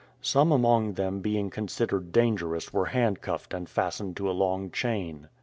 Some among them being considered dangerous were handcuffed and fastened to a long chain.